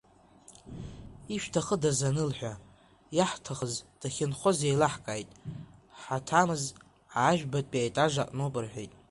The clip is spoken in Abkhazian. Ишәҭахыдаз анылҳәа, иаҳҭахыз дахьынхоз еилаҳкааит, ҳаҭамыз, ажәбатәи аетаж аҟноуп, рҳәеит.